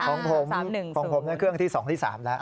ของผมของผมนั่นเครื่องที่๒ที่๓แล้ว